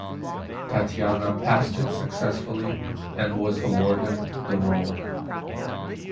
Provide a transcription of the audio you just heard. Tatyana passed it successfully and was awarded the role.